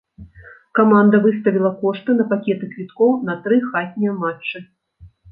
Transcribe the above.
Каманда выставіла кошты на пакеты квіткоў на тры хатнія матчы.